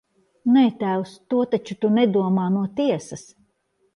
Nē, tēvs, to taču tu nedomā no tiesas!